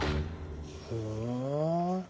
ふん。